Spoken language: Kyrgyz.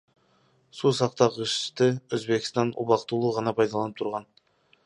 Суу сактагычты Өзбекстан убактылуу гана пайдаланып турган.